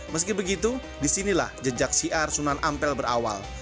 meski begitu disinilah jejak syiar sunan ampel berawal